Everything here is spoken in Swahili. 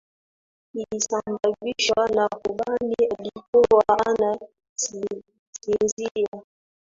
ilisababishwa na rubani alikuwa ana sinzia